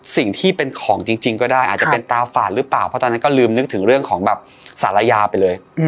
สิ่งที่เป็นของจริงก็ได้อาจจะเป็นตาฝาดหรือเปล่าเพราะตอนนั้นก็ลืมนึกถึงเรื่องของแบบสารยาไปเลย